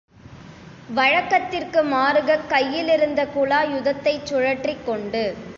வழக்கத்திற்கு மாருகக் கையிலிருந்த குலா யுதத்தைச் சுழற்றிக் கொண்டு.